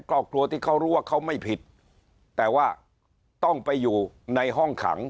ครอบครัวที่เขารู้ว่าเขาไม่ผิดแต่ว่าต้องไปอยู่ในห้องขัง